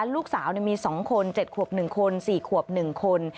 ลูกสาวมี๒คน๗ขวบ๑คน๔ขวบ๑คน